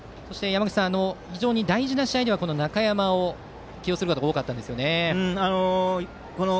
非常に大事な試合ではこの中山を起用すること多かったんですよね。